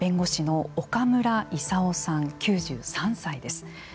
弁護士の岡村勲さん９３歳です。